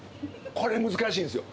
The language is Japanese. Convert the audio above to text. これ難しいんすよ。